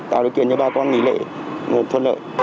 tạo đối kiện cho bà con nghỉ lễ thuận lợi